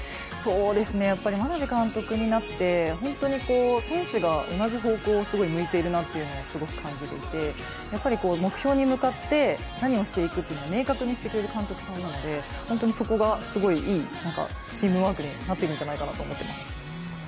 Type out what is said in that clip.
眞鍋監督になって、選手が同じ方向をすごい向いているなというのをすごく感じていて、目標に向かって何をしていくって明確にしてくれる監督さんなので、そこがすごいいいチームワークになっているんじゃないかと思っています。